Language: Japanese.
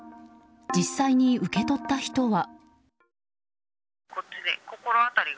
実際に受け取った人は。